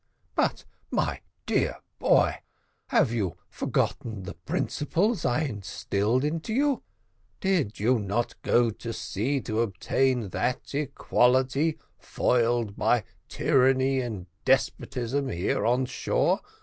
"But, my dear boy, have you forgotten the principles I instilled into you? Did you not go to sea to obtain that equality foiled by tyranny and despotism here on shore?